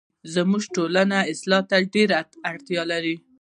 زموږ ټولنه اصلاح ته ډيره اړتیا لري